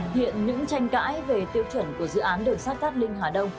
hiện những tranh cãi về tiêu chuẩn của dự án được sát gắt linh hà đông